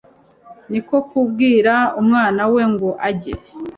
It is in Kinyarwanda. Niko kubwira umwana we ngo ajye